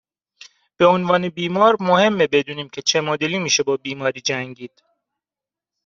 به عنوان بیمار مهمه بدونیم که چه مدلی میشه با بیماری جنگید